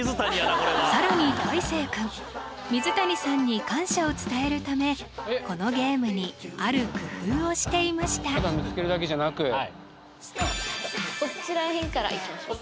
これは更にたいせい君水谷さんに感謝を伝えるためこのゲームにある工夫をしていましたこっちら辺からいきましょうか